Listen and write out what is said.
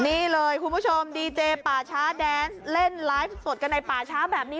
นี่เลยคุณผู้ชมดีเจป่าช้าแดนส์เล่นไลฟ์สดกันในป่าช้าแบบนี้